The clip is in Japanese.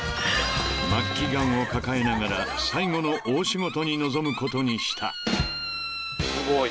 ［末期がんを抱えながら最後の大仕事に臨むことにした］